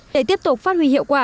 để tiếp tục phát huy hiệu quả